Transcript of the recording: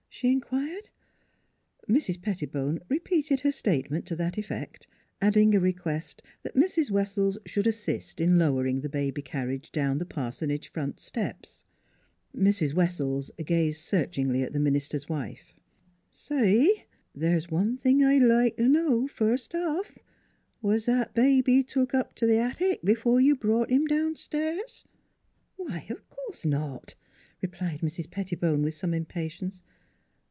" she inquired. Mrs. Pettibone repeated her statement to that effect, adding a request that Mrs. Wessells should assist in lowering the baby carriage down the parsonage front steps. Mrs. Wessells gazed searchingly at the min ister's wife. " Say, the's one thing I'd like t' know, first off : Was that baby took up t' th' attic b'fore you brought him downstairs?" " Why, of course not," replied Mrs. Pettibone, with some impatience.